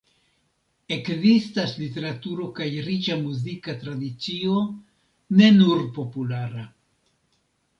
Ekzistas literaturo kaj riĉa muzika tradicio, ne nur populara.